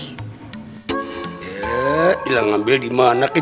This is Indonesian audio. ya ilang ambil di mana kek